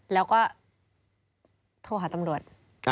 แล้วก็โทรหาตำรวจ